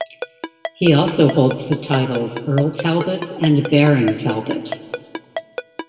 He also holds the titles Earl Talbot and Baron Talbot.